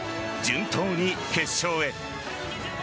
順当に決勝へ。